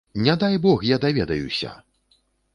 Не дай бог я даведаюся!